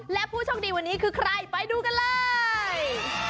และผู้โชคดีวันนี้คือใครไปดูกันเลย